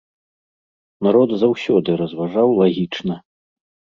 Народ заўсёды разважаў лагічна.